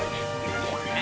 え？